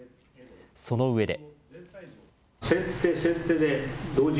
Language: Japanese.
その上で。